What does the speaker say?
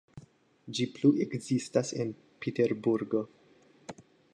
Ĝi plu ekzistas en Peterburgo.